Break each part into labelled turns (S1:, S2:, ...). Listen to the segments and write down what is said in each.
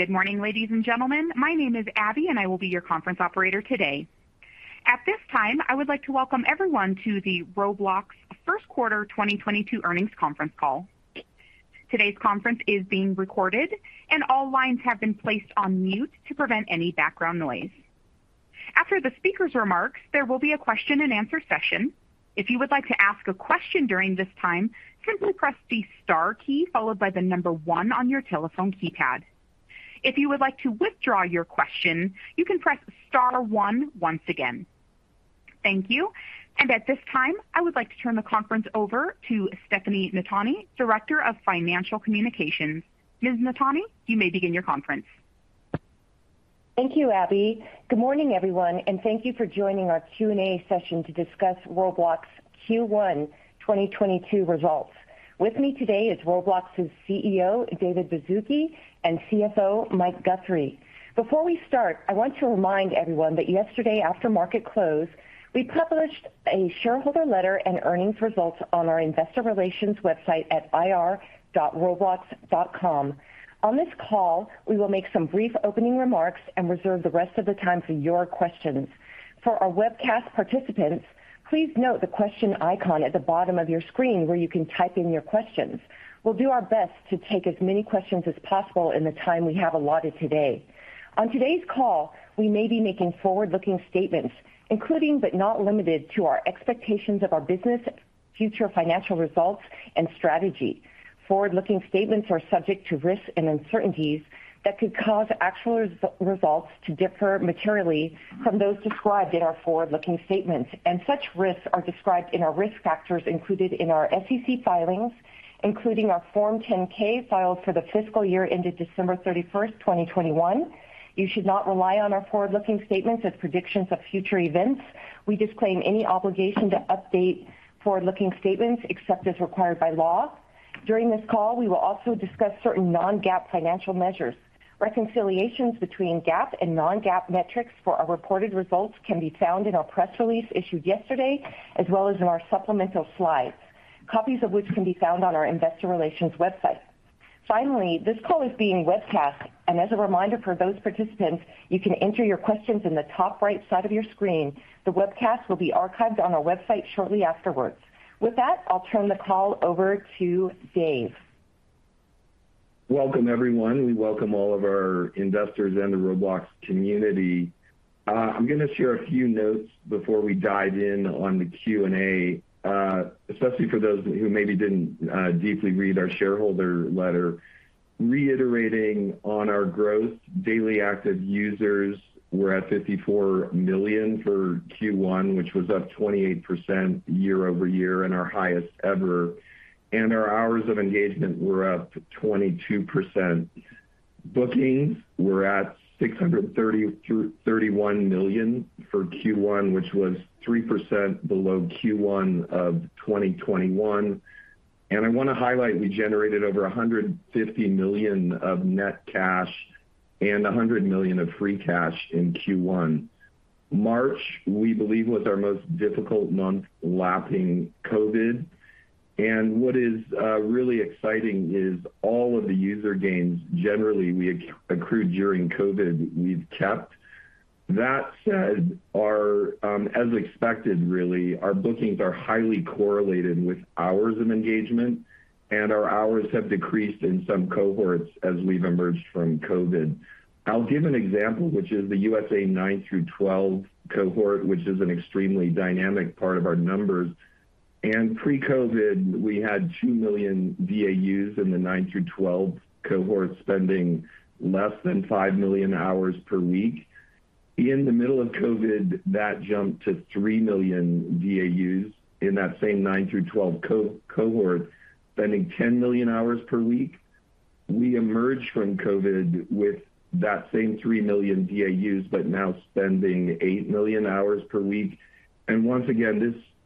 S1: Good morning, ladies and gentlemen. My name is Abby, and I will be your conference operator today. At this time, I would like to Welcome everyone to the Roblox First Quarter 2022 Earnings Conference Call. Today's conference is being recorded, and all lines have been placed on mute to prevent any background noise. After the speaker's remarks, there will be a question-and-answer session. If you would like to ask a question during this time, simply press the star key followed by the number one on your telephone keypad. If you would like to withdraw your question, you can press star one once again. Thank you. At this time, I would like to turn the conference over to Stefanie Notaney, Director of Financial Communications. Ms. Notaney, you may begin your conference.
S2: Thank you, Abby. Good morning, everyone, and thank you for joining Our Q&A Session to Discuss Roblox Q1 2022 Results. With me today is Roblox's CEO, David Baszucki, and CFO, Mike Guthrie. Before we start, I want to remind everyone that yesterday after market close, we published a shareholder letter and earnings results on our investor relations website at ir.roblox.com. On this call, we will make some brief opening remarks and reserve the rest of the time for your questions. For our webcast participants, please note the question icon at the bottom of your screen where you can type in your questions. We'll do our best to take as many questions as possible in the time we have allotted today. On today's call, we may be making forward-looking statements, including but not limited to our expectations of our business, future financial results, and strategy. Forward-looking statements are subject to risks and uncertainties that could cause actual results to differ materially from those described in our forward-looking statements, and such risks are described in our risk factors included in our SEC filings, including our Form 10-K filed for the fiscal year ended December 31, 2021. You should not rely on our forward-looking statements as predictions of future events. We disclaim any obligation to update forward-looking statements except as required by law. During this call, we will also discuss certain non-GAAP financial measures. Reconciliations between GAAP and non-GAAP metrics for our reported results can be found in our press release issued yesterday, as well as in our supplemental slides, copies of which can be found on our investor relations website. Finally, this call is being webcast, and as a reminder for those participants, you can enter your questions in the top right side of your screen. The webcast will be archived on our website shortly afterwards. With that, I'll turn the call over to Dave.
S3: Welcome, everyone. We welcome all of our investors and the Roblox community. I'm going to share a few notes before we dive in on the Q&A, especially for those who maybe didn't deeply read our shareholder letter. Reiterating on our growth, daily active users were at 54 million for Q1, which was up 28% year-over-year and our highest ever. Our hours of engagement were up 22%. Bookings were at $633.1 million for Q1, which was 3% below Q1 of 2021. I want to highlight, we generated over $150 million of net cash and $100 million of free cash in Q1. March, we believe, was our most difficult month lapping COVID. What is really exciting is all of the user gains generally we accrued during COVID, we've kept. That said, as expected, really, our bookings are highly correlated with hours of engagement, and our hours have decreased in some cohorts as we've emerged from COVID. I'll give an example, which is the U.S.A. nine through 12 cohort, which is an extremely dynamic part of our numbers. Pre-COVID, we had 2 million DAUs in the nine through 12 cohort spending less than 5 million hours per week. In the middle of COVID, that jumped to 3 million DAUs in that same nine through 12, spending 10 million hours per week. We emerged from COVID with that same 3 million DAUs, but now spending 8 million hours per week. Once again,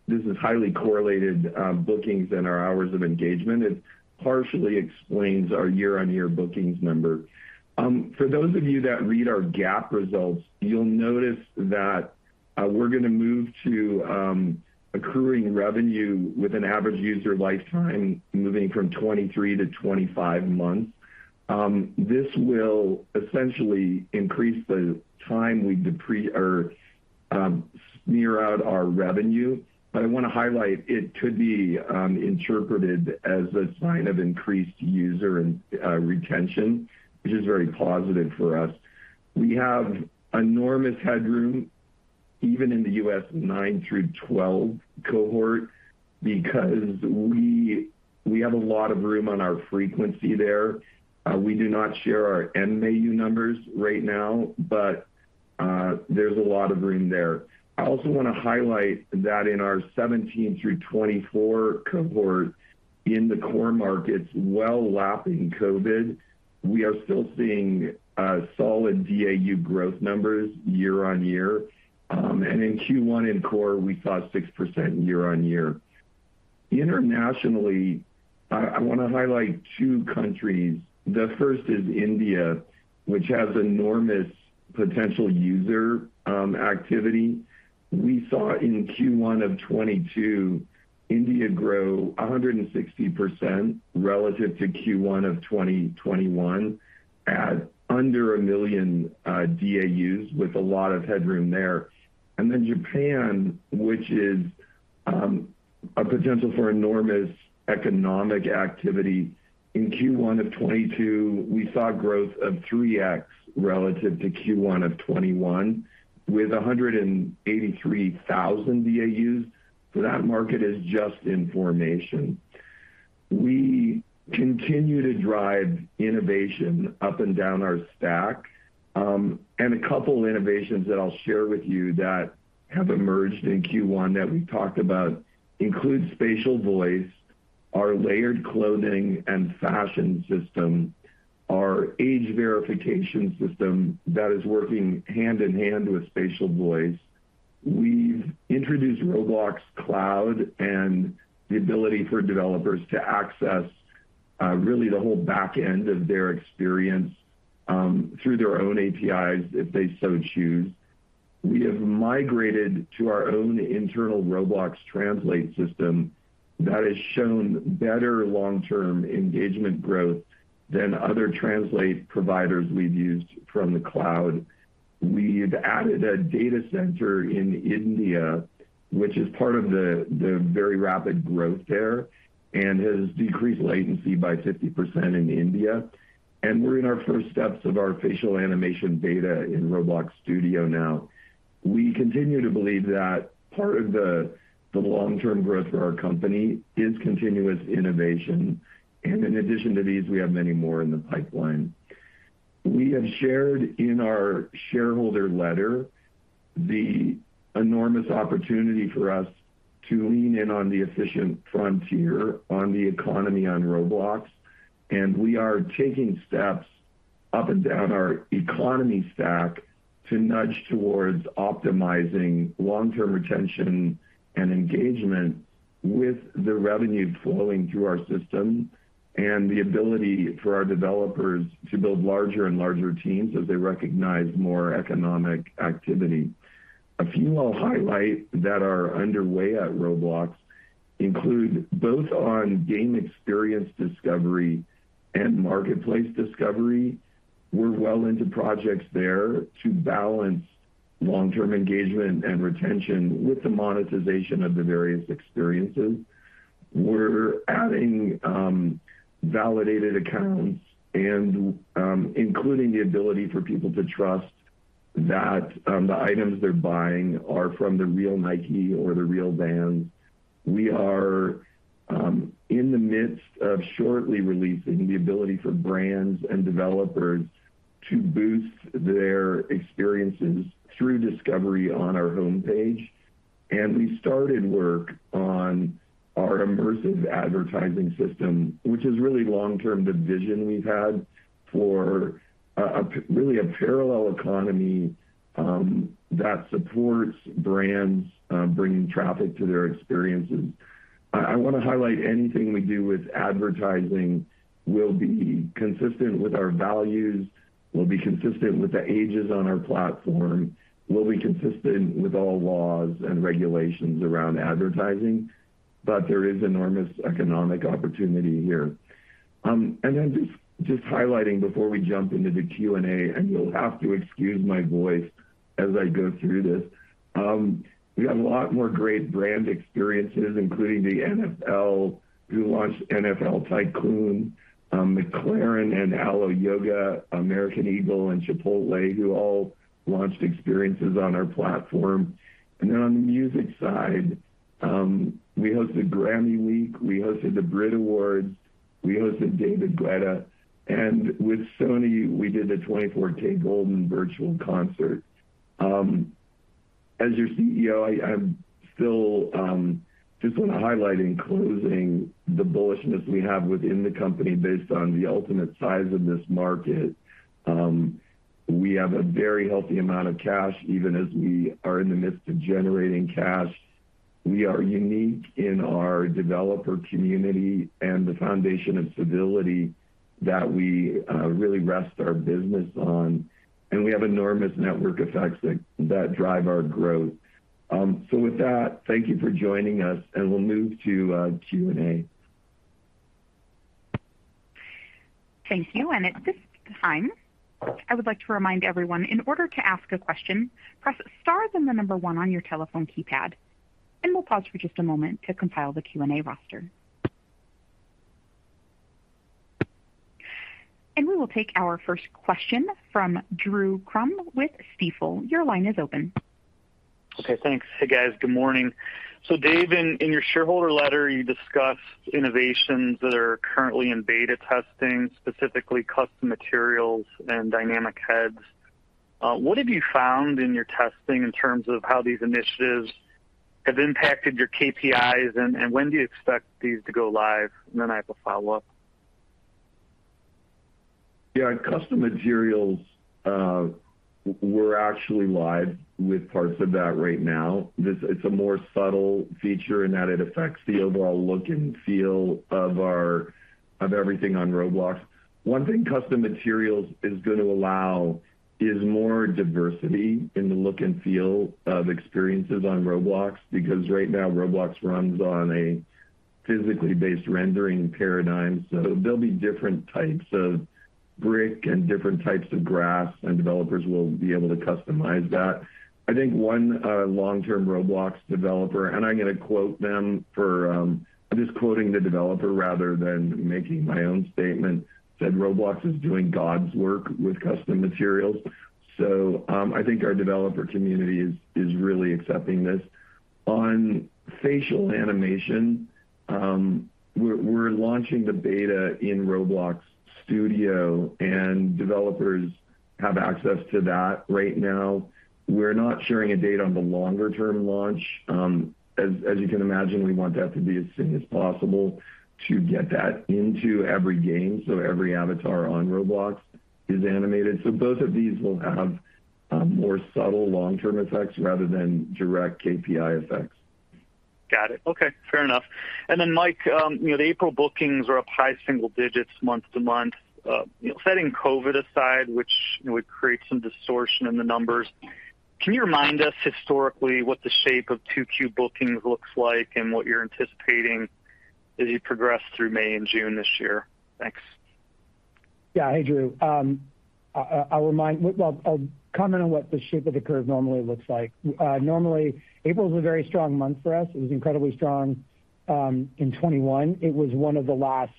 S3: this is highly correlated bookings and our hours of engagement. It partially explains our year-on-year bookings number. For those of you that read our GAAP results, you'll notice that we're going to move to accruing revenue with an average user lifetime moving from 23-25 months. This will essentially increase the time we smear out our revenue. I want to highlight it could be interpreted as a sign of increased user and retention, which is very positive for us. We have enormous headroom, even in the U.S. nine to 12 cohort, because we have a lot of room on our frequency there. We do not share our MAU numbers right now, but there's a lot of room there. I also want to highlight that in our 17-24 cohort in the core markets, well lapping COVID, we are still seeing solid DAU growth numbers year-over-year. In Q1 in core, we saw 6% year-over-year. Internationally, I want to highlight two countries. The first is India, which has enormous potential user activity. We saw in Q1 of 2022, India grow 160% relative to Q1 of 2021 at under a million DAUs with a lot of headroom there. Then Japan, which is a potential for enormous economic activity. In Q1 of 2022, we saw growth of 3x relative to Q1 of 2021 with 183,000 DAUs. That market is just in formation. We continue to drive innovation up and down our stack. A couple innovations that I'll share with you that have emerged in Q1 that we talked about include Spatial Voice, our Layered Clothing and Fashion System, our Age Verification System that is working hand-in-hand with Spatial Voice. We've introduced Roblox Cloud and the ability for developers to access really the whole back end of their experience through their own APIs if they so choose. We have migrated to our own internal Roblox Translate System that has shown better long-term engagement growth than other translate providers we've used from the cloud. We've added a data center in India, which is part of the very rapid growth there, and has decreased latency by 50% in India. We're in our first steps of our facial animation beta in Roblox Studio now. We continue to believe that part of the long-term growth for our company is continuous innovation. In addition to these, we have many more in the pipeline. We have shared in our shareholder letter the enormous opportunity for us to lean in on the efficient frontier, on the economy on Roblox, and we are taking steps up and down our economy stack to nudge towards optimizing long-term retention and engagement with the revenue flowing through our system and the ability for our developers to build larger and larger teams as they recognize more economic activity. A few I'll highlight that are underway at Roblox include both on game experience discovery and marketplace discovery. We're well into projects there to balance long-term engagement and retention with the monetization of the various experiences. We're adding validated accounts and including the ability for people to trust that the items they're buying are from the real Nike or the real brand. We are in the midst of shortly releasing the ability for brands and developers to boost their experiences through discovery on our homepage. We started work on our immersive advertising system, which is really long-term the vision we've had for really a parallel economy that supports brands bringing traffic to their experiences. I wanna highlight anything we do with advertising will be consistent with our values, will be consistent with the ages on our platform, will be consistent with all laws and regulations around advertising, but there is enormous economic opportunity here. Just highlighting before we jump into the Q&A, and you'll have to excuse my voice as I go through this. We have a lot more great brand experiences, including the NFL, who launched NFL Tycoon, McLaren and Alo Yoga, American Eagle, and Chipotle, who all launched experiences on our platform. On the music side, we hosted GRAMMY Week, we hosted the BRIT Awards, we hosted David Guetta, and with Sony, we did the 24kGoldn virtual concert. As your CEO, I'm still just wanna highlight in closing the bullishness we have within the company based on the ultimate size of this market. We have a very healthy amount of cash, even as we are in the midst of generating cash. We are unique in our developer community and the foundation of civility that we really rest our business on. We have enormous network effects that drive our growth. With that, thank you for joining us, and we'll move to Q&A.
S1: Thank you. At this time, I would like to remind everyone, in order to ask a question, press star, then the number one on your telephone keypad, and we'll pause for just a moment to compile the Q&A roster. We will take our first question from Drew Crum with Stifel. Your line is open.
S4: Okay, thanks. Hey, guys. Good morning. David, in your shareholder letter, you discussed innovations that are currently in beta testing, specifically Custom Materials and Dynamic Heads. What have you found in your testing in terms of how these initiatives have impacted your KPIs, and when do you expect these to go live? I have a follow-up.
S3: Yeah. On Custom Materials, we're actually live with parts of that right now. It's a more subtle feature in that it affects the overall look and feel of everything on Roblox. One thing Custom Materials is going to allow is more diversity in the look and feel of experiences on Roblox, because right now, Roblox runs on a physically based rendering paradigm. There'll be different types of brick and different types of grass, and developers will be able to customize that. I think one long-term Roblox developer, and I'm going to quote them. I'm just quoting the developer rather than making my own statement, said, "Roblox is doing God's work with Custom Materials." I think our developer community is really accepting this. On facial animation, we're launching the beta in Roblox Studio, and developers have access to that right now. We're not sharing a date on the longer-term launch. As you can imagine, we want that to be as soon as possible to get that into every game, so every avatar on Roblox is animated. Both of these will have more subtle long-term effects rather than direct KPI effects.
S4: Got it. Okay, fair enough. Mike, you know, the April bookings are up high single digits month-over-month. You know, setting COVID aside, which would create some distortion in the numbers, can you remind us historically what the shape of Q2 bookings looks like and what you're anticipating as you progress through May and June this year? Thanks.
S5: Hey, Drew. I'll comment on what the shape of the curve normally looks like. Normally, April is a very strong month for us. It was incredibly strong in 2021. It was one of the last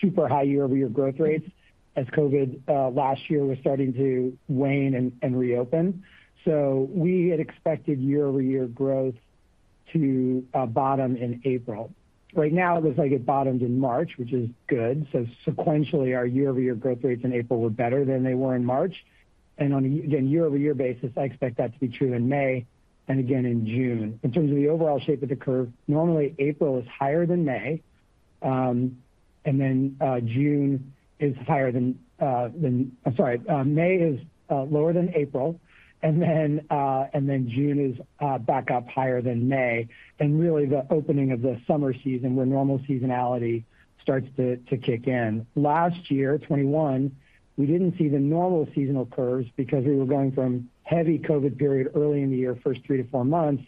S5: super high year-over-year growth rates as COVID last year was starting to wane and reopen. We had expected year-over-year growth to bottom in April. Right now, it looks like it bottomed in March, which is good. Sequentially, our year-over-year growth rates in April were better than they were in March. On a year-over-year basis, I expect that to be true in May and again in June. In terms of the overall shape of the curve, normally April is higher than May, and then June is higher than May. May is lower than April, and then June is back up higher than May, and really the opening of the summer season where normal seasonality starts to kick in. Last year, 2021, we didn't see the normal seasonal curves because we were going from heavy COVID period early in the year, first three to four months,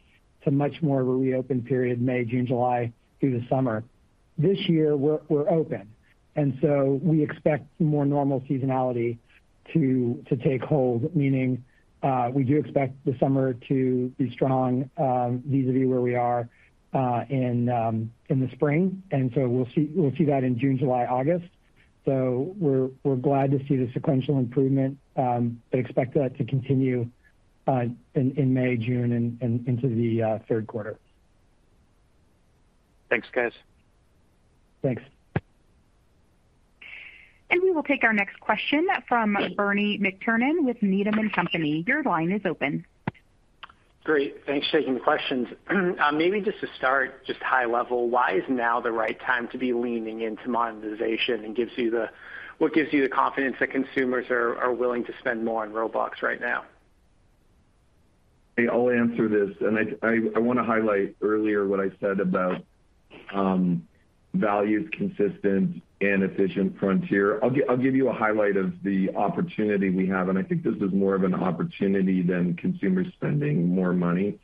S5: to much more of a reopen period, May, June, July through the summer. This year, we're open, and so we expect more normal seasonality to take hold, meaning we do expect the summer to be strong vis-a-vis where we are in the spring. We'll see that in June, July, August. We're glad to see the sequential improvement and expect that to continue in May, June, and into the third quarter.
S4: Thanks, guys.
S5: Thanks.
S1: We will take our next question from Bernie McTernan with Needham & Company. Your line is open.
S6: Great. Thanks for taking the questions. Maybe just to start, just high level, why is now the right time to be leaning into monetization and what gives you the confidence that consumers are willing to spend more on Roblox right now?
S3: Hey, I'll answer this. I want to highlight earlier what I said about values consistent and efficient frontier. I'll give you a highlight of the opportunity we have, and I think this is more of an opportunity than consumer spending more money.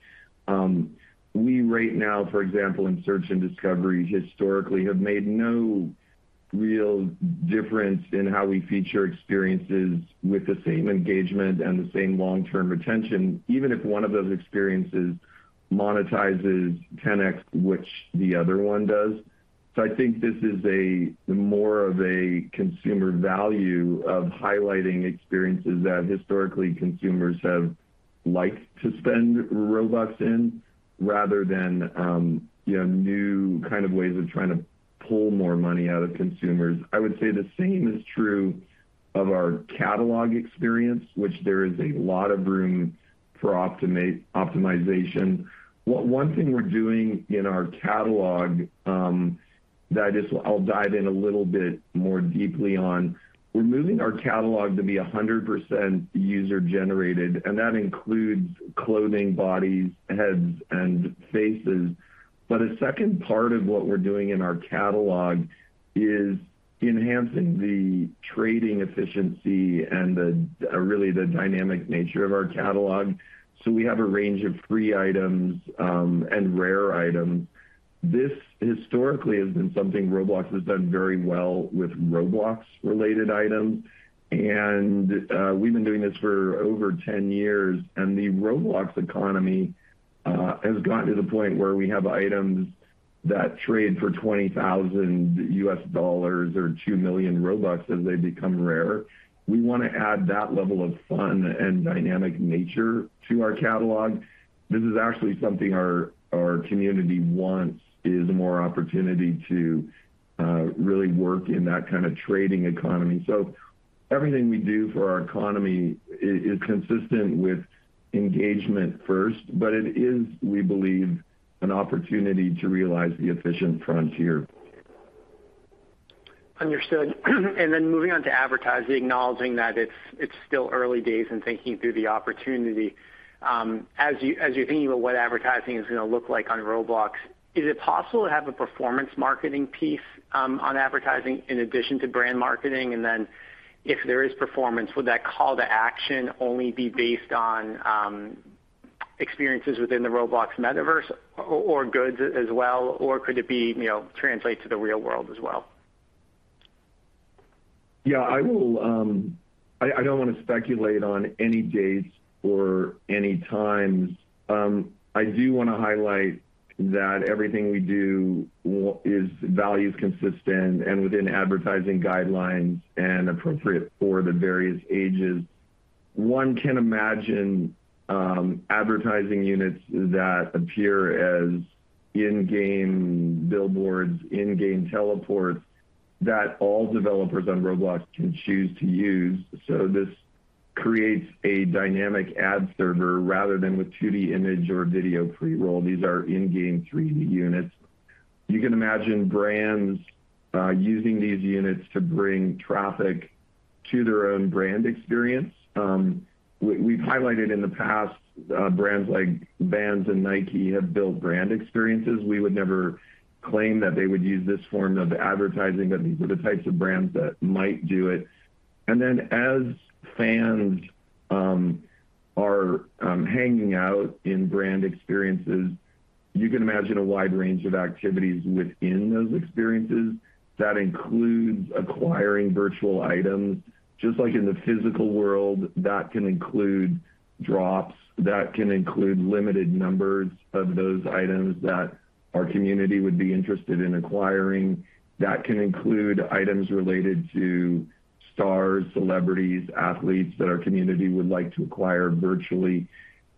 S3: We right now, for example, in search and discovery, historically have made no real difference in how we feature experiences with the same engagement and the same long-term retention, even if one of those experiences monetizes 10x, which the other one does. I think this is more of a consumer value of highlighting experiences that historically consumers have liked to spend Robux in rather than you know, new kind of ways of trying to pull more money out of consumers. I would say the same is true of our catalog experience, which there is a lot of room for optimization. One thing we're doing in our catalog that is, I'll dive in a little bit more deeply on, we're moving our catalog to be 100% user generated, and that includes clothing, bodies, heads, and faces. A second part of what we're doing in our catalog is enhancing the trading efficiency and really the dynamic nature of our catalog. We have a range of free items and rare items. This historically has been something Roblox has done very well with Roblox-related items. We've been doing this for over 10 years, and the Roblox economy has gotten to the point where we have items that trade for $20,000 or 2 million Robux as they become rarer. We want to add that level of fun and dynamic nature to our catalog. This is actually something our community wants is more opportunity to really work in that kind of trading economy. Everything we do for our economy is consistent with engagement first, but it is, we believe, an opportunity to realize the efficient frontier.
S6: Understood. Moving on to advertising, acknowledging that it's still early days and thinking through the opportunity. As you're thinking about what advertising is gonna look like on Roblox, is it possible to have a performance marketing piece on advertising in addition to brand marketing? If there is performance, would that call to action only be based on experiences within the Roblox metaverse or goods as well? Could it be, you know, translate to the real world as well?
S3: Yeah, I will, I don't wanna speculate on any dates or any times. I do wanna highlight that everything we do is values consistent and within advertising guidelines and appropriate for the various ages. One can imagine advertising units that appear as in-game billboards, in-game teleports that all developers on Roblox can choose to use. This creates a dynamic ad server rather than with 2D image or video pre-roll. These are in-game 3D units. You can imagine brands using these units to bring traffic to their own brand experience. We've highlighted in the past, brands like Vans and Nike have built brand experiences. We would never claim that they would use this form of advertising, but these are the types of brands that might do it. As fans are hanging out in brand experiences, you can imagine a wide range of activities within those experiences that includes acquiring virtual items, just like in the physical world that can include drops, that can include limited numbers of those items that our community would be interested in acquiring. That can include items related to stars, celebrities, athletes that our community would like to acquire virtually.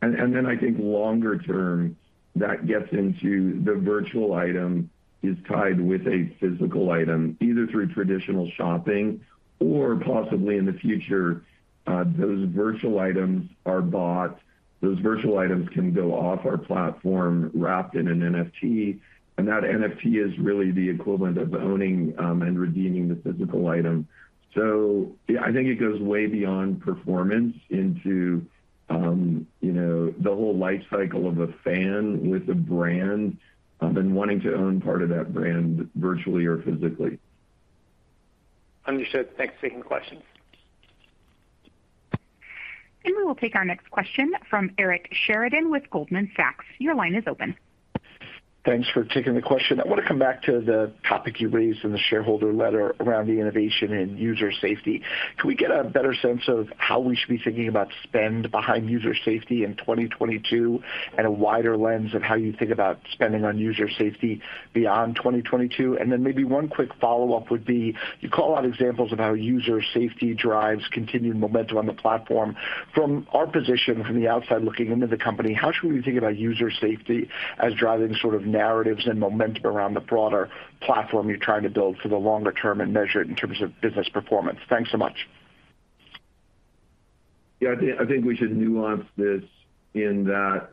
S3: I think longer term that gets into the virtual item is tied with a physical item, either through traditional shopping or possibly in the future, those virtual items are bought. Those virtual items can go off our platform wrapped in an NFT, and that NFT is really the equivalent of owning and redeeming the physical item. Yeah, I think it goes way beyond performance into, you know, the whole life cycle of a fan with a brand, and wanting to own part of that brand virtually or physically.
S6: Understood. Thanks for taking the question.
S1: We will take our next question from Eric Sheridan with Goldman Sachs. Your line is open.
S7: Thanks for taking the question. I wanna come back to the topic you raised in the shareholder letter around the innovation in user safety. Can we get a better sense of how we should be thinking about spend behind user safety in 2022, and a wider lens of how you think about spending on user safety beyond 2022? Maybe one quick follow-up would be, you call out examples of how user safety drives continued momentum on the platform. From our position from the outside looking into the company, how should we think about user safety as driving sort of narratives and momentum around the broader platform you're trying to build for the longer term and measure it in terms of business performance? Thanks so much.
S3: Yeah. I think we should nuance this in that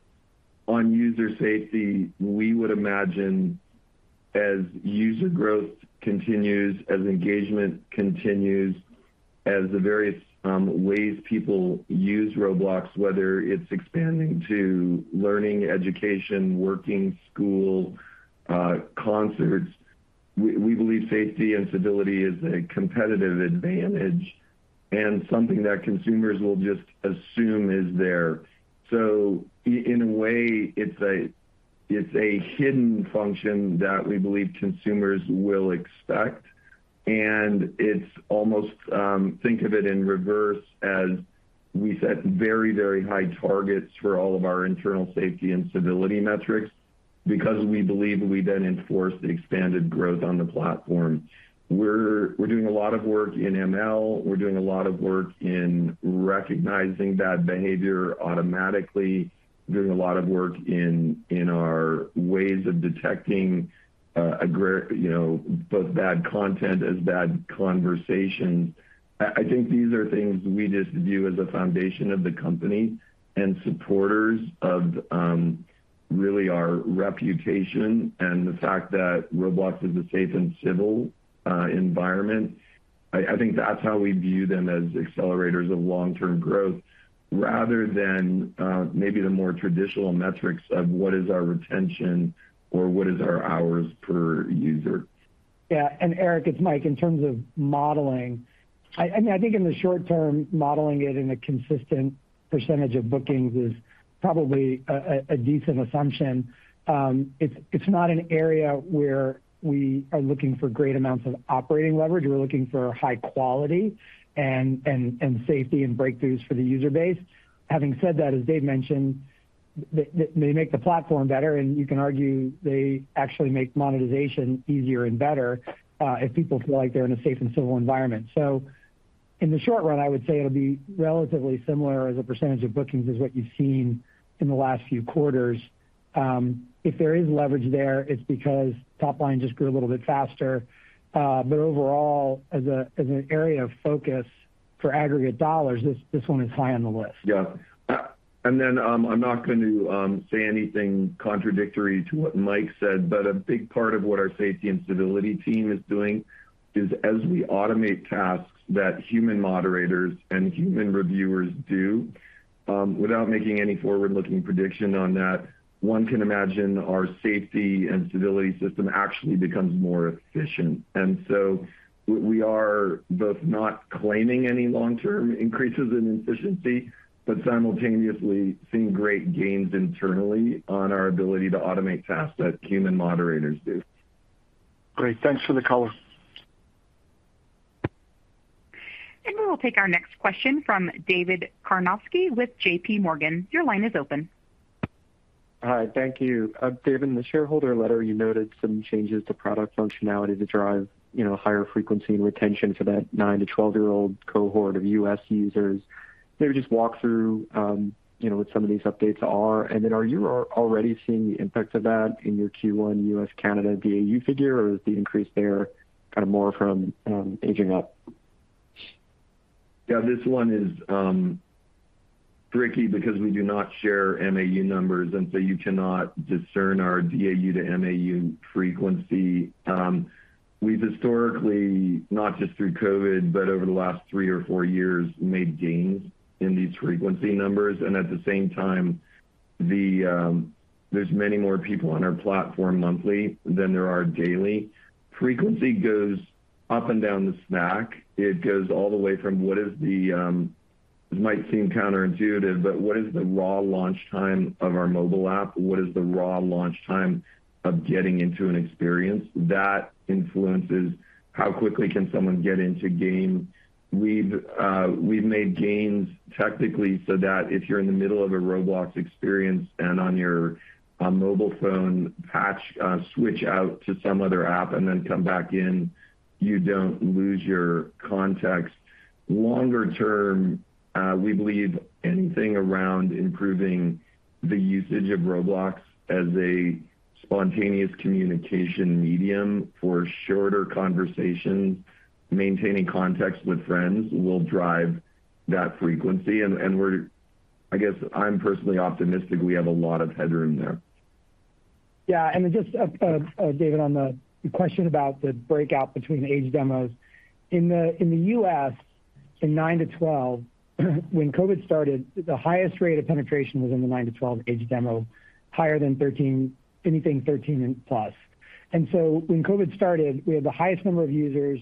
S3: on user safety, we would imagine as user growth continues, as engagement continues, as the various ways people use Roblox, whether it's expanding to learning, education, working, school, concerts, we believe safety and stability is a competitive advantage and something that consumers will just assume is there. In a way, it's a hidden function that we believe consumers will expect, and it's almost think of it in reverse as we set very, very high targets for all of our internal safety and stability metrics because we believe we then enforce the expanded growth on the platform. We're doing a lot of work in ML. We're doing a lot of work in recognizing bad behavior automatically. Doing a lot of work in our ways of detecting, you know, both bad content and bad conversation. I think these are things we just view as a foundation of the company and supporters of really our reputation and the fact that Roblox is a safe and civil environment. I think that's how we view them as accelerators of long-term growth rather than maybe the more traditional metrics of what is our retention or what is our hours per user.
S5: Yeah. Eric, it's Mike. In terms of modeling, I mean, I think in the short term, modeling it in a consistent % of bookings is probably a decent assumption. It's not an area where we are looking for great amounts of operating leverage. We're looking for high quality and safety and breakthroughs for the user base. Having said that, as Dave mentioned, they make the platform better, and you can argue they actually make monetization easier and better if people feel like they're in a safe and civil environment. In the short run, I would say it'll be relatively similar as a % of bookings as what you've seen in the last few quarters. If there is leverage there, it's because top line just grew a little bit faster. Overall, as an area of focus for aggregate dollars, this one is high on the list.
S3: Yeah. I'm not going to say anything contradictory to what Mike said, but a big part of what our safety and civility team is doing is as we automate tasks that human moderators and human reviewers do, without making any forward-looking prediction on that, one can imagine our safety and civility system actually becomes more efficient. We are both not claiming any long-term increases in efficiency, but simultaneously seeing great gains internally on our ability to automate tasks that human moderators do.
S7: Great. Thanks for the color.
S1: We will take our next question from David Karnovsky with JPMorgan. Your line is open.
S8: Hi. Thank you. David, in the shareholder letter, you noted some changes to product functionality to drive, you know, higher frequency and retention for that nine to 12-year-old cohort of U.S. users. Maybe just walk through, you know, what some of these updates are. Are you already seeing the impacts of that in your Q1 U.S., Canada DAU figure, or is the increase there kind of more from aging up?
S3: Yeah, this one is tricky because we do not share MAU numbers, and so you cannot discern our DAU to MAU frequency. We've historically, not just through COVID, but over the last three or four years, made gains in these frequency numbers. At the same time, there's many more people on our platform monthly than there are daily. Frequency goes up and down then back. It goes all the way from what is the raw launch time of our mobile app. It might seem counterintuitive, but what is the raw launch time of getting into an experience. That influences how quickly can someone get into game. We've made gains technically so that if you're in the middle of a Roblox experience and on your mobile phone app, switch out to some other app and then come back in, you don't lose your context. Longer term, we believe anything around improving the usage of Roblox as a spontaneous communication medium for shorter conversations, maintaining context with friends will drive that frequency. I guess I'm personally optimistic we have a lot of headroom there.
S5: Yeah. Just, David, on the question about the breakout between age demos. In the U.S., in nine to 12, when COVID started, the highest rate of penetration was in the nine to 12 age demo, higher than 13, anything 13 and plus. When COVID started, we had the highest number of users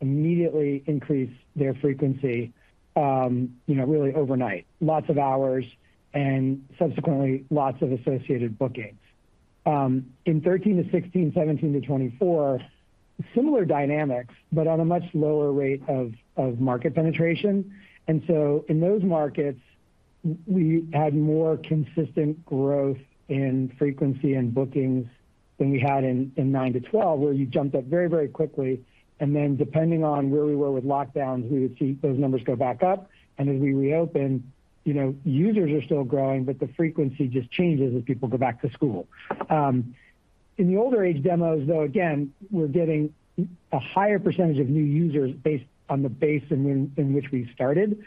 S5: immediately increase their frequency, you know, really overnight, lots of hours, and subsequently, lots of associated bookings. In 13-16, 17-24, similar dynamics, but on a much lower rate of market penetration. In those markets, we had more consistent growth in frequency and bookings than we had in nine to 12, where you jumped up very, very quickly. Then depending on where we were with lockdowns, we would see those numbers go back up. As we reopen, you know, users are still growing, but the frequency just changes as people go back to school. In the older age demos, though, again, we're getting a higher % of new users based on the base in which we started.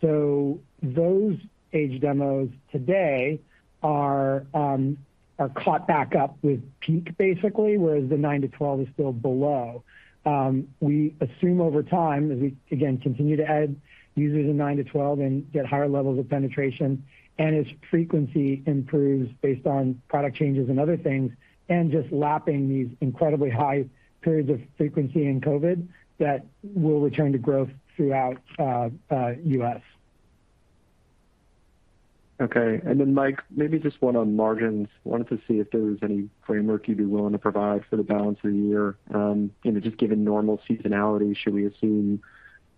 S5: Those age demos today are caught back up with peak, basically, whereas the nine to 12 is still below. We assume over time, as we again continue to add users in nine to 12 and get higher levels of penetration, and as frequency improves based on product changes and other things, and just lapping these incredibly high periods of frequency in COVID, that we'll return to growth throughout U.S.
S8: Okay. Then Mike, maybe just one on margins. Wanted to see if there was any framework you'd be willing to provide for the balance of the year. You know, just given normal seasonality, should we assume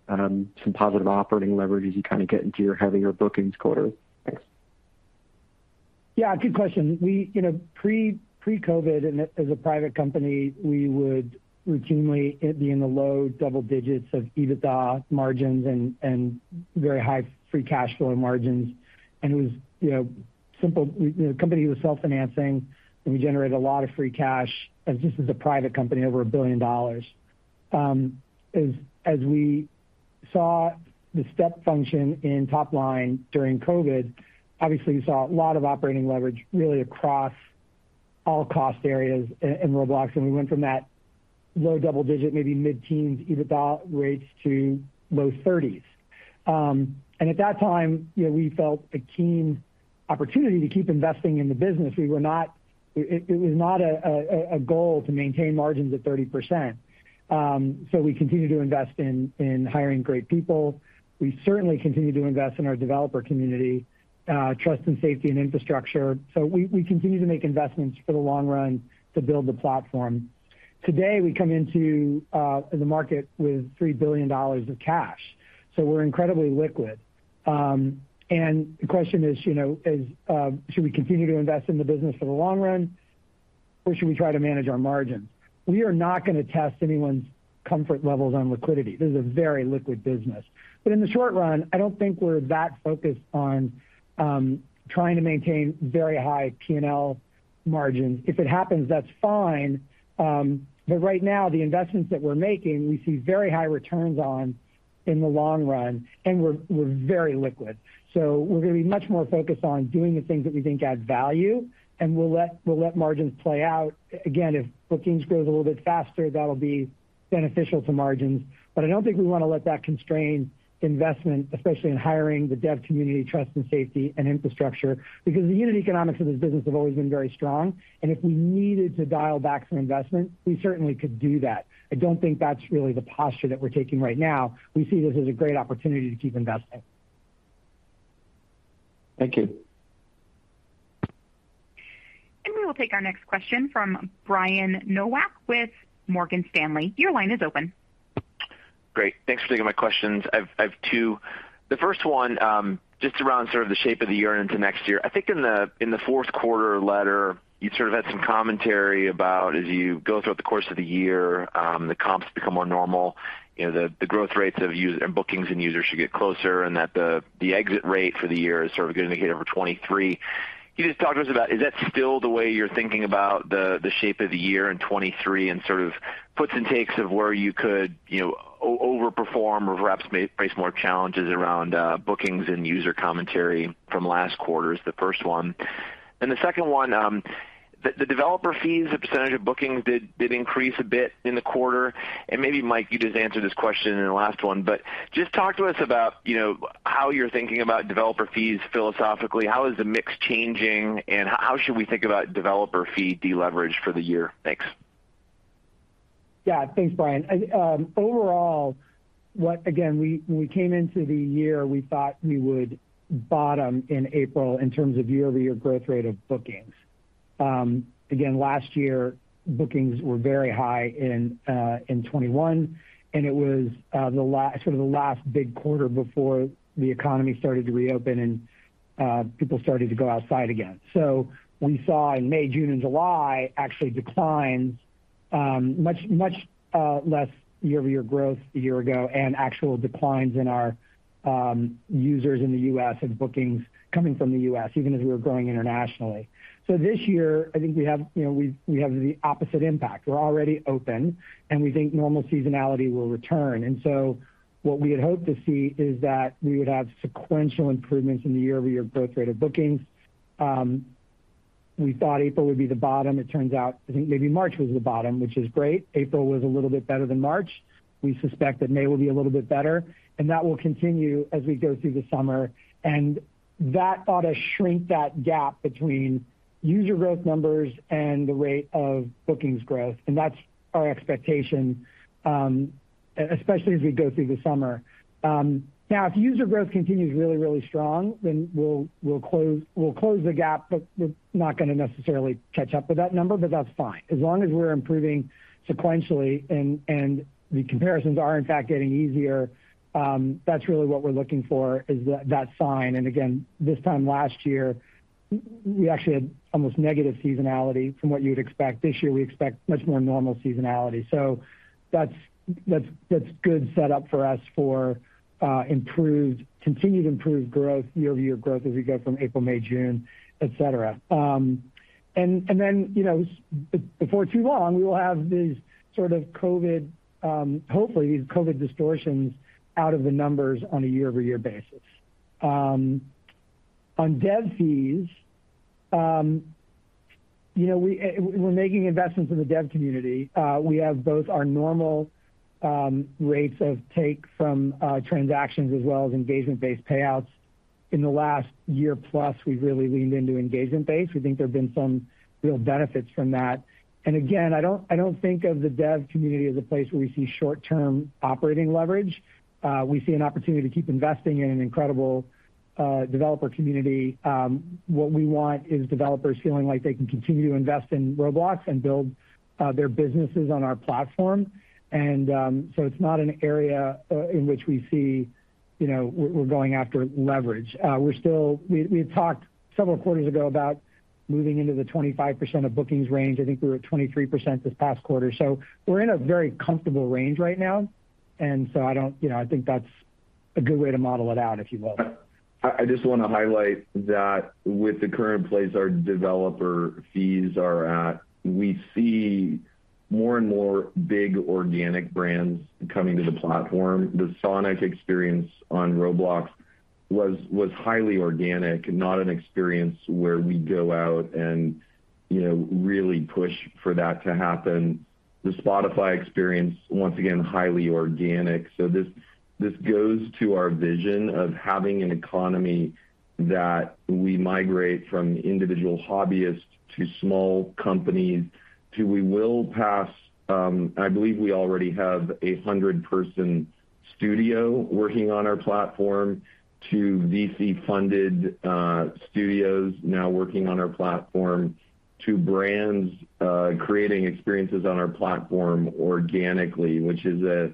S8: some positive operating leverage as you kind of get into your heavier bookings quarter? Thanks.
S5: Yeah, good question. We, you know, pre-COVID and as a private company, we would routinely, it'd be in the low double digits of EBITDA margins and very high free cash flow margins. It was, you know, simple. We, you know, company was self-financing, and we generated a lot of free cash, as this is a private company, over $1 billion. As we saw the step function in top line during COVID, obviously you saw a lot of operating leverage really across all cost areas in Roblox, and we went from that low double digit, maybe mid-teens EBITDA rates to low 30s. At that time, you know, we felt a keen opportunity to keep investing in the business. It was not a goal to maintain margins at 30%, so we continue to invest in hiring great people. We certainly continue to invest in our developer community, trust and safety and infrastructure. We continue to make investments for the long run to build the platform. Today, we come into the market with $3 billion of cash, so we're incredibly liquid. The question is, should we continue to invest in the business for the long run? Should we try to manage our margin? We are not going to test anyone's comfort levels on liquidity. This is a very liquid business, but in the short run, I don't think we're that focused on trying to maintain very high P&L margins. If it happens, that's fine. Right now the investments that we're making, we see very high returns on in the long run, and we're very liquid. We're going to be much more focused on doing the things that we think add value, and we'll let margins play out. Again, if bookings grows a little bit faster, that'll be beneficial to margins. I don't think we want to let that constrain investment, especially in hiring the dev community trust and safety and infrastructure, because the unit economics of this business have always been very strong. If we needed to dial back some investment, we certainly could do that. I don't think that's really the posture that we're taking right now. We see this as a great opportunity to keep investing.
S8: Thank you.
S1: We will take our next question from Brian Nowak with Morgan Stanley. Your line is open.
S9: Great. Thanks for taking my questions. I've two. The first one, just around sort of the shape of the year into next year. I think in the fourth quarter letter, you sort of had some commentary about as you go throughout the course of the year, the comps become more normal, you know, the growth rates of DAUs and bookings and users should get closer, and that the exit rate for the year is sort of going to hit over 23%. Can you just talk to us about is that still the way you're thinking about the shape of the year in 2023 and sort of puts and takes of where you could, you know, overperform or perhaps face more challenges around bookings and user commentary from last quarter, is the first one. The second one, the developer fees, the % of bookings did increase a bit in the quarter. Maybe, Mike, you just answered this question in the last one, but just talk to us about, you know, how you're thinking about developer fees philosophically. How is the mix changing, and how should we think about developer fee deleverage for the year? Thanks.
S5: Yeah. Thanks, Brian. Overall, again, we, when we came into the year, we thought we would bottom in April in terms of year-over-year growth rate of bookings. Again, last year, bookings were very high in 2021, and it was sort of the last big quarter before the economy started to reopen and people started to go outside again. We saw in May, June and July actually declines, much less year-over-year growth a year ago and actual declines in our users in the U.S. and bookings coming from the U.S., even as we were growing internationally. This year, I think we have we have the opposite impact. We're already open, and we think normal seasonality will return. What we had hoped to see is that we would have sequential improvements in the year-over-year growth rate of bookings. We thought April would be the bottom. It turns out, I think maybe March was the bottom, which is great. April was a little bit better than March. We suspect that May will be a little bit better, and that will continue as we go through the summer. That ought to shrink that gap between user growth numbers and the rate of bookings growth. That's our expectation, especially as we go through the summer. Now, if user growth continues really, really strong, then we'll close the gap, but we're not going to necessarily catch up with that number. That's fine. As long as we're improving sequentially and the comparisons are in fact getting easier, that's really what we're looking for is that sign. This time last year, we actually had almost negative seasonality from what you'd expect. This year, we expect much more normal seasonality. That's good set up for us for continued improved growth, year-over-year growth as we go from April, May, June, et cetera. Then, you know, before too long, we will have these sort of COVID, hopefully these COVID distortions out of the numbers on a year-over-year basis. On dev fees, you know, we're making investments in the dev community. We have both our normal rates of take from transactions as well as engagement-based payouts. In the last year plus, we've really leaned into engagement-based. We think there have been some real benefits from that. Again, I don't think of the dev community as a place where we see short-term operating leverage. We see an opportunity to keep investing in an incredible developer community. What we want is developers feeling like they can continue to invest in Roblox and build their businesses on our platform. It's not an area in which we see, you know, we're going after leverage. We had talked several quarters ago about moving into the 25% of bookings range. I think we were at 23% this past quarter. We're in a very comfortable range right now. I don't, you know, I think that's a good way to model it out, if you will.
S3: I just want to highlight that with the current pace our developer fees are at, we see more and more big organic brands coming to the platform. The Sonic experience on Roblox was highly organic, not an experience where we go out and, you know, really push for that to happen. The Spotify experience, once again, highly organic. This goes to our vision of having an economy that we migrate from individual hobbyists to small companies to, I believe, we already have a 100-person studio working on our platform to VC-funded studios now working on our platform to brands creating experiences on our platform organically, which is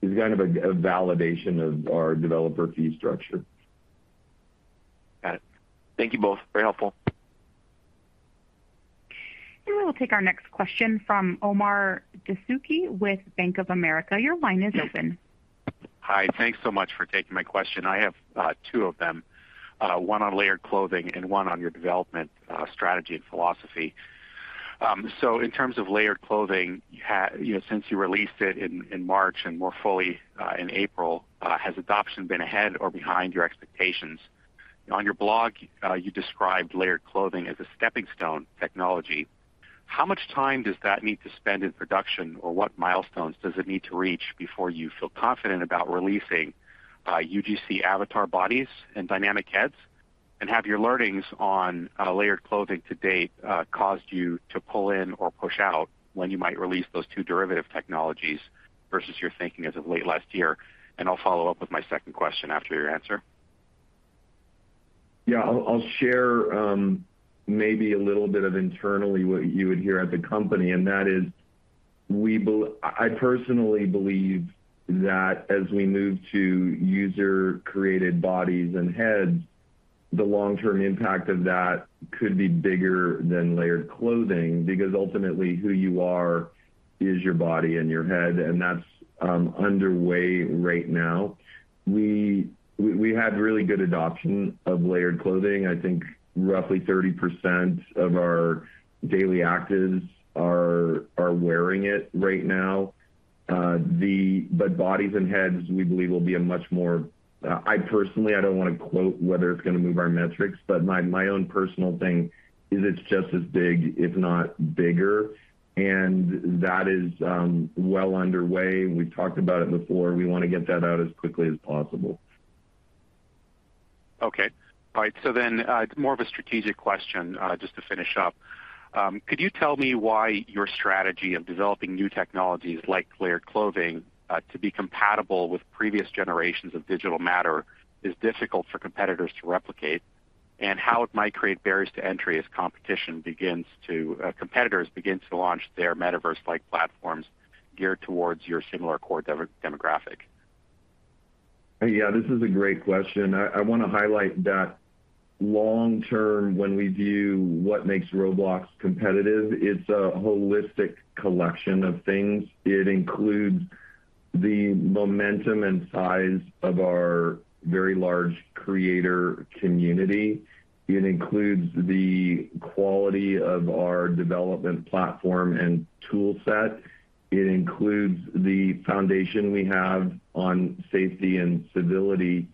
S3: kind of a validation of our developer fee structure.
S9: Got it. Thank you both. Very helpful.
S1: We will take our next question from Omar Dessouky with Bank of America. Your line is open.
S10: Hi. Thanks so much for taking my question. I have two of them, one on Layered Clothing and one on your development strategy and philosophy. So in terms of Layered Clothing, you know, since you released it in March and more fully in April, has adoption been ahead or behind your expectations? On your blog, you described Layered Clothing as a stepping stone technology. How much time does that need to spend in production, or what milestones does it need to reach before you feel confident about releasing UGC Avatar Bodies and Dynamic Heads? Have your learnings on Layered Clothing to date caused you to pull in or push out when you might release those two derivative technologies vs your thinking as of late last year? I'll follow up with my second question after your answer.
S3: I'll share maybe a little bit internally what you would hear at the company, and that is I personally believe that as we move to user-created bodies and heads, the long-term impact of that could be bigger than Layered Clothing because ultimately who you are is your body and your head, and that's underway right now. We had really good adoption of Layered Clothing. I think roughly 30% of our daily actives are wearing it right now. But Bodies and Heads, we believe, will be a much more. I personally don't wanna quote whether it's gonna move our metrics, but my own personal thing is it's just as big, if not bigger. That is well underway. We've talked about it before. We wanna get that out as quickly as possible.
S10: Okay. All right. It's more of a strategic question, just to finish up. Could you tell me why your strategy of developing new technologies like Layered Clothing to be compatible with previous generations of digital matter is difficult for competitors to replicate? And how it might create barriers to entry as competitors begin to launch their metaverse-like platforms geared towards your similar core demographic?
S3: Yeah, this is a great question. I wanna highlight that long term, when we view what makes Roblox competitive, it's a holistic collection of things. It includes the momentum and size of our very large creator community. It includes the quality of our development platform and tool set. It includes the foundation we have on safety and civility.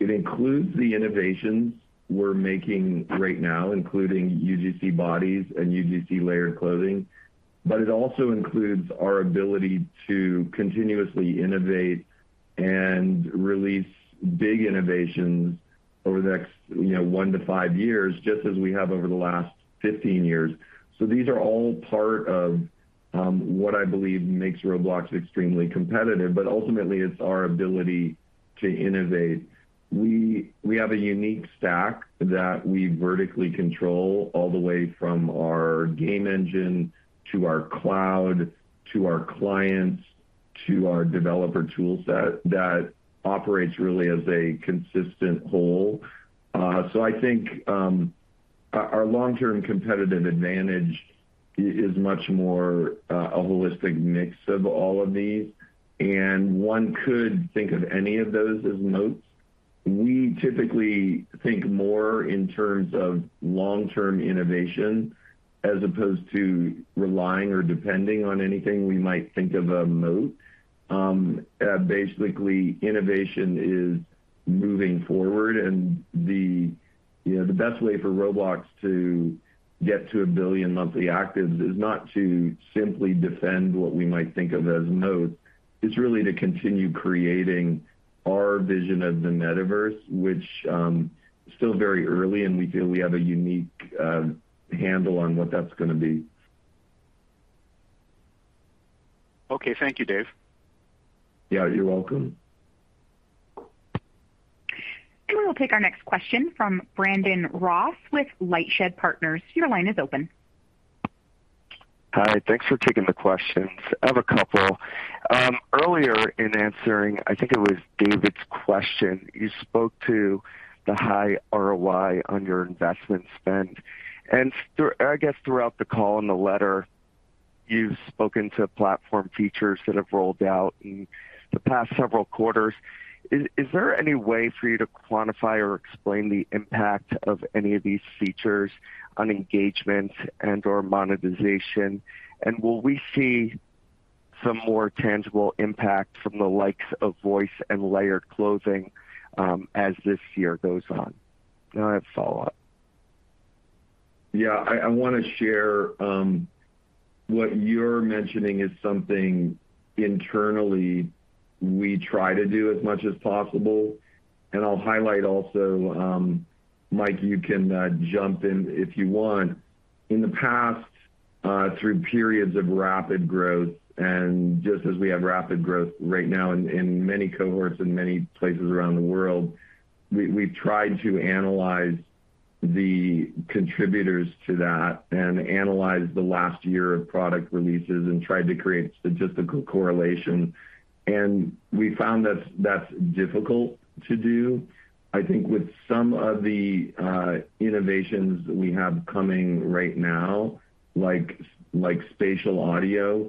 S3: It includes the innovations we're making right now, including UGC Bodies and UGC Layered Clothing. It also includes our ability to continuously innovate and release big innovations over the next, you know, one to five years, just as we have over the last 15 years. These are all part of what I believe makes Roblox extremely competitive, but ultimately it's our ability to innovate. We have a unique stack that we vertically control all the way from our game engine to our cloud, to our clients, to our developer tool set that operates really as a consistent whole. I think our long-term competitive advantage is much more a holistic mix of all of these, and one could think of any of those as moats. We typically think more in terms of long-term innovation as opposed to relying or depending on anything we might think of a moat. Basically, innovation is moving forward, and you know, the best way for Roblox to get to 1 billion monthly actives is not to simply defend what we might think of as moats. It's really to continue creating our vision of the metaverse, which is still very early, and we feel we have a unique handle on what that's gonna be.
S10: Okay. Thank you, Dave.
S3: Yeah, you're welcome.
S1: We will take our next question from Brandon Ross with LightShed Partners. Your line is open.
S11: Hi. Thanks for taking the questions. I have a couple. Earlier in answering, I think it was David's question, you spoke to the high ROI on your investment spend. I guess throughout the call in the letter, you've spoken to platform features that have rolled out in the past several quarters. Is there any way for you to quantify or explain the impact of any of these features on engagement and/or monetization? Will we see some more tangible impact from the likes of Voice and Layered Clothing as this year goes on? Now I have follow-up.
S3: Yeah. I wanna share what you're mentioning is something internally we try to do as much as possible. I'll highlight also, Mike, you can jump in if you want. In the past, through periods of rapid growth, and just as we have rapid growth right now in many cohorts in many places around the world, we've tried to analyze the contributors to that and analyzed the last year of product releases and tried to create statistical correlation. We found that's difficult to do. I think with some of the innovations we have coming right now, like Spatial Voice,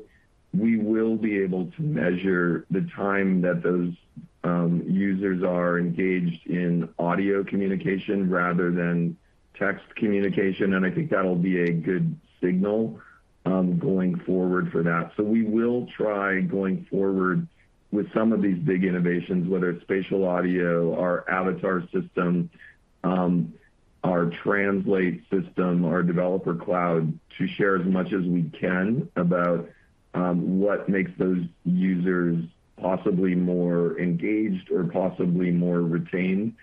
S3: we will be able to measure the time that those users are engaged in audio communication rather than text communication, and I think that'll be a good signal going forward for that. We will try going forward with some of these big innovations, whether it's Spatial Audio or Avatar System, our Translate System, our Developer Cloud, to share as much as we can about what makes those users possibly more engaged or possibly more retained.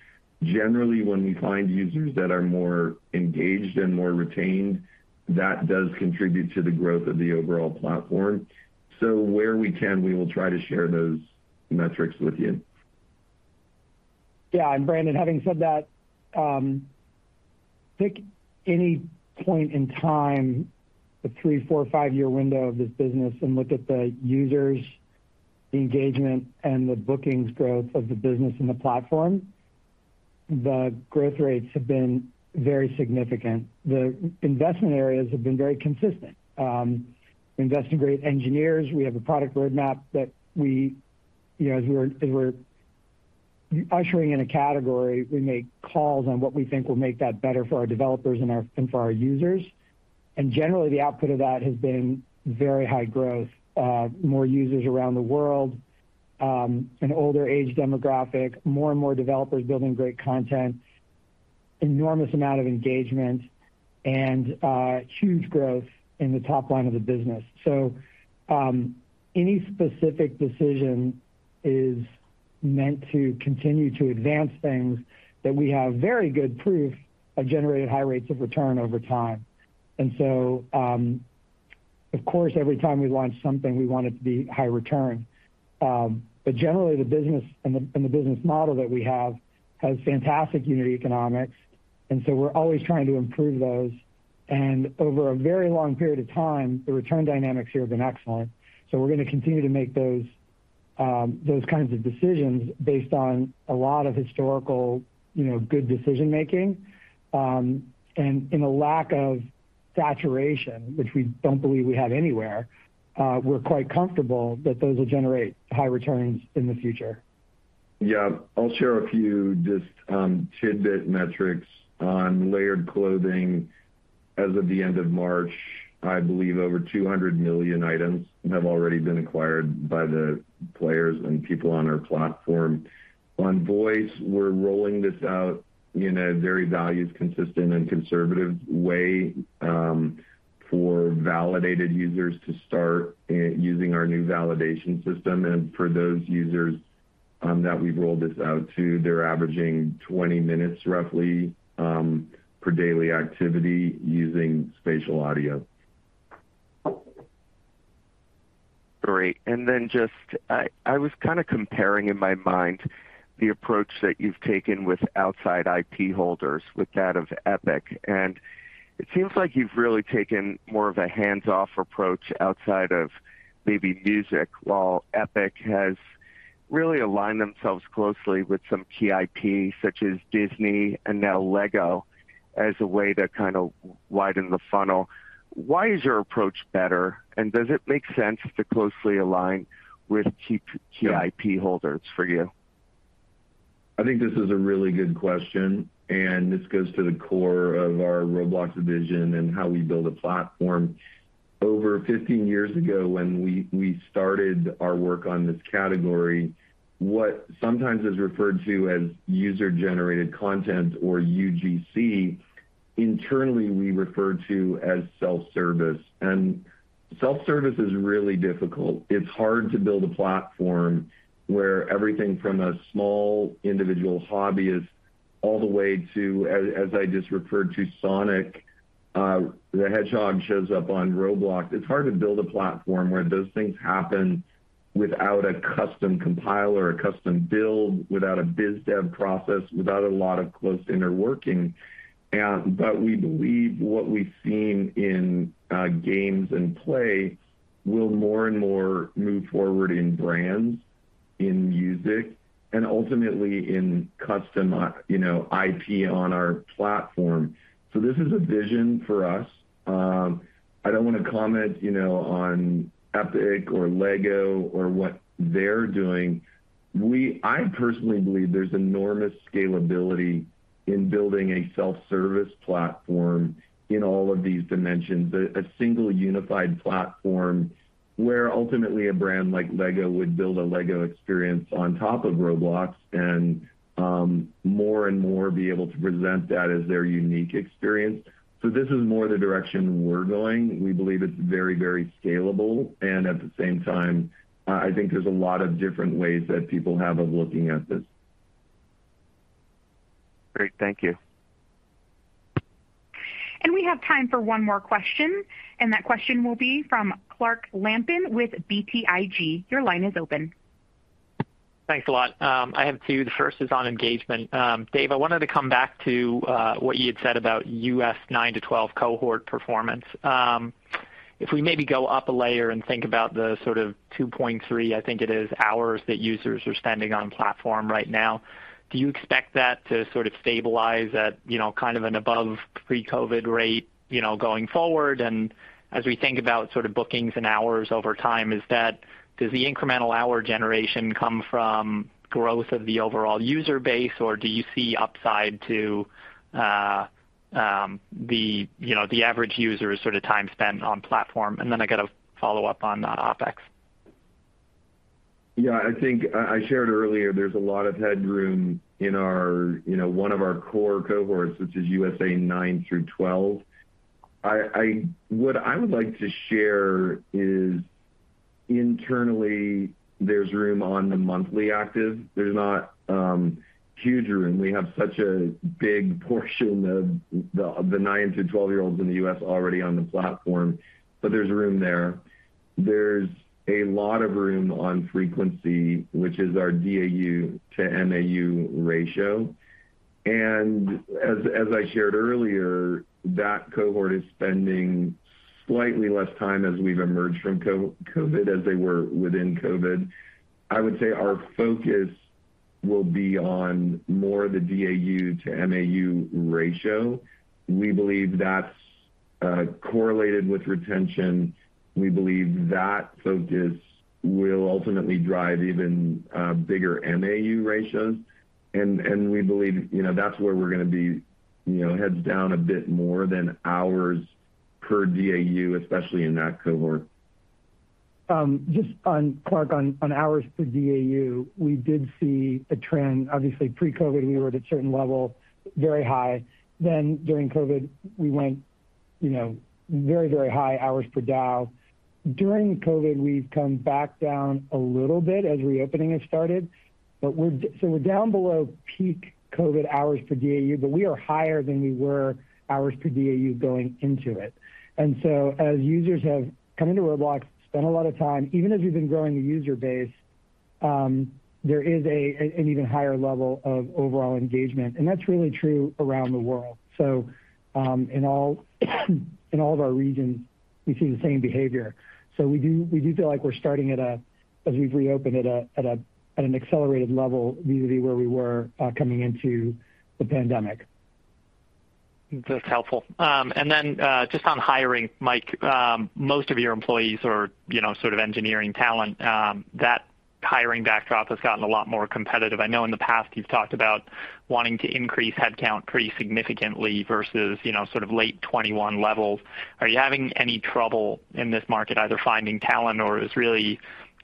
S3: Generally, when we find users that are more engaged and more retained, that does contribute to the growth of the overall platform. Where we can, we will try to share those metrics with you.
S5: Yeah, Brandon, having said that, pick any point in time, a three, four, five-year window of this business and look at the users' engagement and the bookings growth of the business in the platform. The growth rates have been very significant. The investment areas have been very consistent. We invest in great engineers. We have a product roadmap that we, you know, as we're ushering in a category, we make calls on what we think will make that better for our developers and for our users. Generally, the output of that has been very high growth, more users around the world, an older age demographic, more and more developers building great content, enormous amount of engagement and huge growth in the top line of the business. Any specific decision is meant to continue to advance things that we have very good proof have generated high rates of return over time. Of course, every time we launch something, we want it to be high return. But generally the business and the business model that we have has fantastic unit economics, and we're always trying to improve those. Over a very long period of time, the return dynamics here have been excellent. We're going to continue to make those kinds of decisions based on a lot of historical, you know, good decision-making. In a lack of saturation, which we don't believe we have anywhere, we're quite comfortable that those will generate high returns in the future.
S3: Yeah. I'll share a few just tidbit metrics on Layered Clothing. As of the end of March, I believe over 200 million items have already been acquired by the players and people on our platform. On voice, we're rolling this out in a very values consistent and conservative way for validated users to start using our new validation system. For those users that we've rolled this out to, they're averaging 20 minutes roughly per daily activity using spatial audio.
S11: Great. Just I was kind of comparing in my mind the approach that you've taken with outside IP holders with that of Epic, and it seems like you've really taken more of a hands-off approach outside of maybe music, while Epic has really aligned themselves closely with some key IP such as Disney and now LEGO as a way to kind of widen the funnel. Why is your approach better? Does it make sense to closely align with key IP holders for you?
S3: I think this is a really good question, and this goes to the core of our Roblox vision and how we build a platform. Over 15 years ago, when we started our work on this category, what sometimes is referred to as User-Generated Content or UGC, internally, we refer to as self-service. Self-service is really difficult. It's hard to build a platform where everything from a small individual hobbyist all the way to, as I just referred to Sonic the Hedgehog shows up on Roblox. It's hard to build a platform where those things happen without a custom compiler or a custom build, without a biz dev process, without a lot of close inner workings. We believe what we've seen in games and play will more and more move forward in brands, in music, and ultimately in custom, you know, IP on our platform. This is a vision for us. I don't want to comment, you know, on Epic or LEGO or what they're doing. I personally believe there's enormous scalability in building a self-service platform in all of these dimensions, a single unified platform where ultimately a brand like LEGO would build a LEGO experience on top of Roblox and more and more be able to present that as their unique experience. This is more the direction we're going. We believe it's very, very scalable. And at the same time, I think there's a lot of different ways that people have of looking at this.
S11: Great. Thank you.
S1: We have time for one more question, and that question will be from Clark Lampen with BTIG. Your line is open.
S12: Thanks a lot. I have two. The first is on engagement. Dave, I wanted to come back to what you had said about U.S. nine to 12 cohort performance. If we maybe go up a layer and think about the sort of 2.3, I think it is, hours that users are spending on platform right now, do you expect that to sort of stabilize at, you know, kind of an above pre-COVID rate, you know, going forward? As we think about sort of bookings and hours over time, does the incremental hour generation come from growth of the overall user base, or do you see upside to, you know, the average user sort of time spent on platform? Then I got a follow-up on OpEx.
S3: Yeah, I think I shared earlier there's a lot of headroom in our, you know, one of our core cohorts, which is U.S.A. nine through 12. What I would like to share is internally there's room on the monthly active. There's not huge room. We have such a big portion of the nine-to-12-year-olds in the U.S. already on the platform, but there's room there. There's a lot of room on frequency, which is our DAU to MAU ratio. I shared earlier, that cohort is spending slightly less time as we've emerged from COVID as they were within COVID. I would say our focus will be on more the DAU to MAU ratio. We believe that's correlated with retention. We believe that focus will ultimately drive even bigger MAU ratios. We believe, you know, that's where we're gonna be, you know, heads down a bit more than hours per DAU, especially in that cohort.
S5: Clark, on hours per DAU, we did see a trend. Obviously pre-COVID we were at a certain level, very high. Then during COVID, we went, you know, very, very high hours per DAU. During COVID, we've come back down a little bit as reopening has started, but we're down below peak COVID hours per DAU, but we are higher than we were hours per DAU going into it. As users have come into Roblox, spent a lot of time, even as we've been growing the user base, there is an even higher level of overall engagement. That's really true around the world. In all of our regions, we see the same behavior. We do feel like we're starting at an accelerated level as we've reopened vis-a-vis where we were coming into the pandemic.
S12: That's helpful. Just on hiring, Mike, most of your employees are, you know, sort of engineering talent. That hiring backdrop has gotten a lot more competitive. I know in the past you've talked about wanting to increase headcount pretty significantly vs, you know, sort of late 2021 levels. Are you having any trouble in this market either finding talent or is really,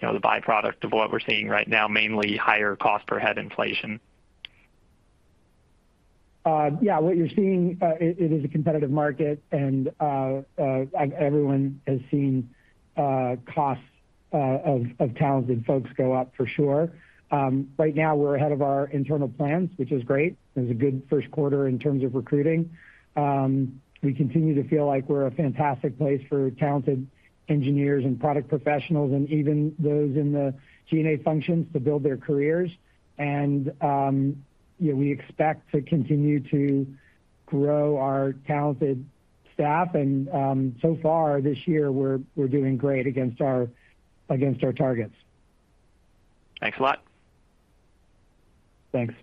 S12: you know, the byproduct of what we're seeing right now, mainly higher cost per head inflation?
S5: Yeah, what you're seeing, it is a competitive market and everyone has seen costs of talented folks go up for sure. Right now we're ahead of our internal plans, which is great. It was a good first quarter in terms of recruiting. We continue to feel like we're a fantastic place for talented engineers and product professionals and even those in the G&A functions to build their careers. You know, we expect to continue to grow our talented staff and so far this year we're doing great against our targets.
S12: Thanks a lot.
S5: Thanks.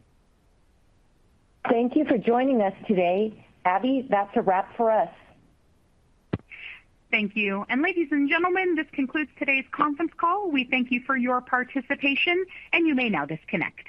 S2: Thank you for joining us today. Abby, that's a wrap for us.
S1: Thank you. Ladies and gentlemen, this concludes today's conference call. We thank you for your participation, and you may now disconnect.